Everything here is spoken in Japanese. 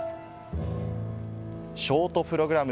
ショートプログラム